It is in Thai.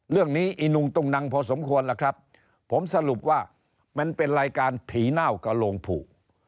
อีนุงตุงนังพอสมควรล่ะครับผมสรุปว่ามันเป็นรายการผีเน่ากับโรงผูก